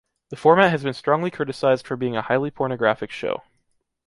The format has been strongly criticized for being a highly pornographic show.